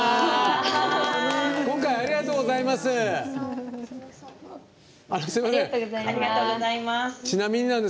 今回ありがとうございます。